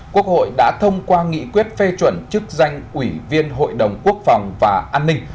quốc hội đã thông qua nghị quyết phê chuẩn chức danh ủy viên hội đồng quốc phòng và an ninh